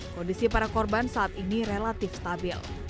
kondisi para korban saat ini relatif stabil